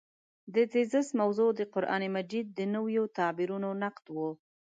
د تېزس موضوع د قران مجید د نویو تعبیرونو نقد و.